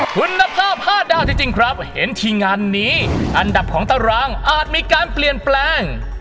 คุณภาพ๕ดาวจริงครับเห็นทีมงานนี้อันดับของตารางอาจมีการเปลี่ยนแปลง